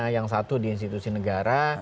yang satu di institusi negara